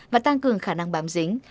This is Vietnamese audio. và tăng cường khả năng bám dính